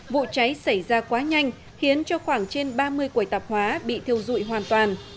vụ cháy xảy ra quá nhanh khiến cho khoảng trên ba mươi quầy tạp hóa bị thiêu dụi hoàn toàn